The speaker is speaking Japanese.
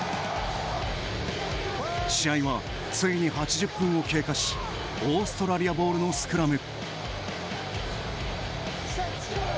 試合は、ついに８０分を経過しオーストラリアボールのスクラム。